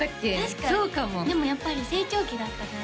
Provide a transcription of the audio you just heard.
確かでもやっぱり成長期だったからね